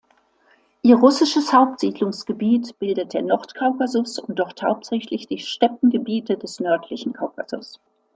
Ihr russisches Hauptsiedlungsgebiet bildet der Nordkaukasus und dort hauptsächlich die Steppengebiete des nördlichen Kaukasus.